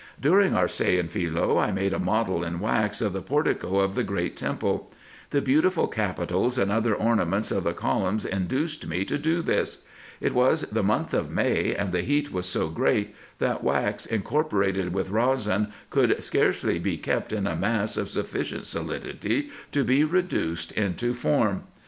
During our stay in Philce I made a model in wax of the portico of the great temple. The beautiful capitals and other ornaments of the columns induced me to do this. It was the month of May, and the heat was so great, that wax incorporated with resin could scarcely be kept in a mass of sufficient solidity to be reduced into form.